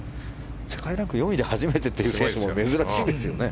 世界ランク４位で初めて出るというのも珍しいですよね。